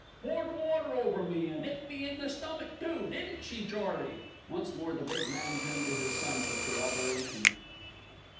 "Poured water over me and 'it me in the stummick too, didn't she, Charley?" Once more the big man turned to his son for corroboration.